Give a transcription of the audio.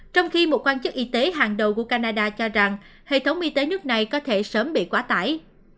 trong khi một quan chức y tế hàng đầu của canada cho rằng hệ thống y tế nước này có thể sớm bị quá tải